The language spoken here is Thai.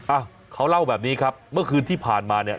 อ่ะเขาเล่าแบบนี้ครับเมื่อคืนที่ผ่านมาเนี่ย